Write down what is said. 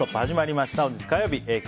始まりました。